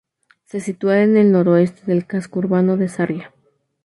Se sitúa en el noroeste del casco urbano de Sarria.